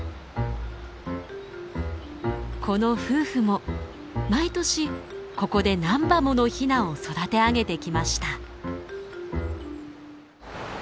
この夫婦も毎年ここで何羽ものヒナを育て上げてきました。